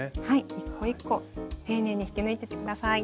一個一個丁寧に引き抜いてって下さい。